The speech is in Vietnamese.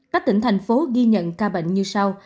các tỉnh thành phố ghi nhận ca bệnh như sau